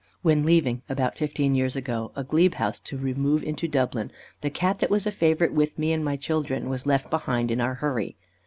When leaving, about fifteen years ago, a glebe house to remove into Dublin, the Cat that was a favourite with me, and with my children, was left behind, in our hurry.